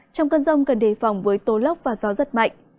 trong cơn rông cần đề phòng với tố lốc và gió rất mạnh